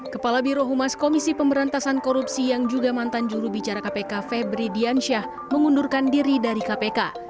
kepala birohumas komisi pemberantasan korupsi yang juga mantan juru bicara kpk febri diansyah mengundurkan diri dari kpk